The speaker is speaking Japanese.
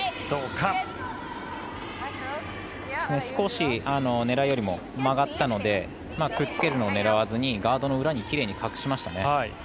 すこし狙いよりも曲がったのでくっつけるのを狙わずにガードの裏にきれいに隠しました。